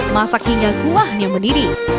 masak hingga kuahnya mendidih